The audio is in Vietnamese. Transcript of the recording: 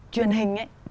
truyền hình ấy